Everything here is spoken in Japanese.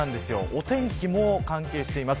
お天気も関係しています。